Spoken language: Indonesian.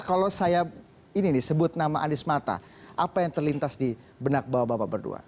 kalau saya ini sebut nama anies mata apa yang terlintas di benak bawah bapak berdua